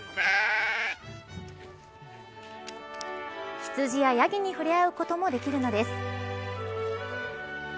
ヒツジやヤギに触れ合うこともできるのです。